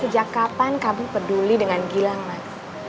sejak kapan kamu peduli dengan gilang mas